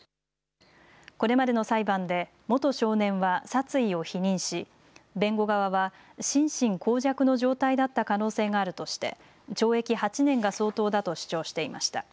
これまでの裁判で元少年は殺意を否認し、弁護側は心神耗弱の状態だった可能性があるとして懲役８年が相当だと主張していました。